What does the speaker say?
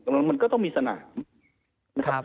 มันก็ต้องมีสนามนะครับ